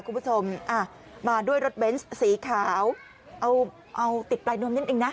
คุณผู้ชมอ่ะมาด้วยรถเบนส์สีขาวเอาเอาติดปลายนวมนิดนึงนะ